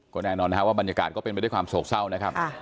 ก็แน่นอนนะครับว่าบรรยากาศก็เป็นไปด้วยความโศกเศร้านะครับ